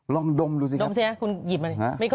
ลองดมดูสิครับดมสินะคุณหยิบมา